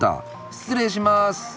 失礼します。